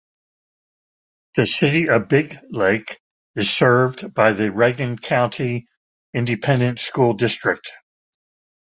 The City of Big Lake is served by the Reagan County Independent School District.